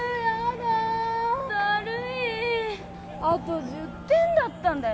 だるいあと１０点だったんだよ